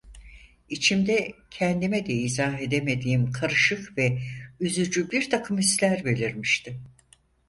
İçimde, kendime de izah edemediğim karışık ve üzücü birtakım hisler belirmişti.